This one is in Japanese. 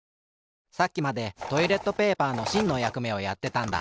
さっきまでトイレットペーパーのしんのやくめをやってたんだ。